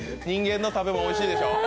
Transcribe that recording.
人間の食べ物おいしいでしょ？